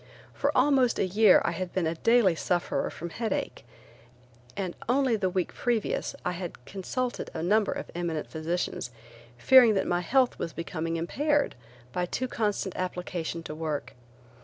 For almost a year I had been a daily sufferer from headache, and only the week previous I had consulted a number of eminent physicians fearing that my health was becoming impaired by too constant application to work.